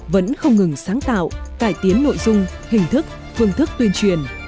vẫn không ngừng sáng tạo cải tiến nội dung hình thức phương thức tuyên truyền